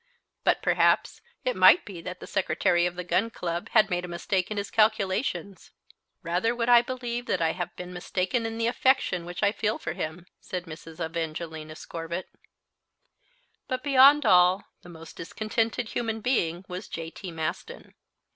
But, perhaps, it might be that the secretary of the Gun Club had made a mistake in his calculations. "Rather would I believe that I have been mistaken in the affection which I feel for him," said Mrs. Evangelina Scorbitt. But beyond all, the most discontented human being was J.T. Maston.